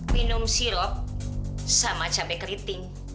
minum sirup sama cabai keriting